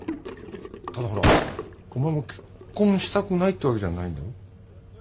ただほらお前も結婚したくないってわけじゃないんだろ？